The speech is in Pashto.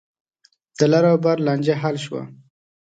د لر او بر لانجه حل شوه.